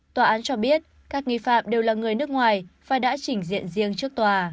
tòa án cho biết các nghi phạm đều là người nước ngoài và đã chỉnh diện riêng trước tòa